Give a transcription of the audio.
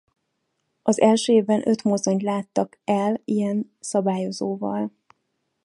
Az első évben öt mozdonyt láttak el ilyen szabályozóval.